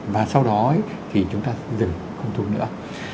và sau đó thì chúng ta dừng không thu nữa